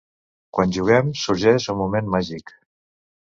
Quan juguem sorgeix un moment màgic.